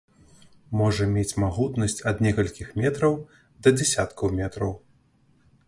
Можа мець магутнасць ад некалькіх метраў да дзясяткаў метраў.